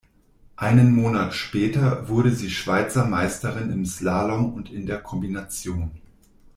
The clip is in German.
Einen Monat später wurde sie Schweizer Meisterin im Slalom und in der Kombination.